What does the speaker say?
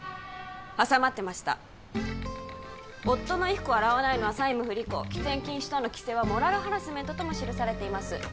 挟まってました「夫の衣服を洗わないのは債務不履行」「喫煙禁止等の規制はモラルハラスメント」とも記されています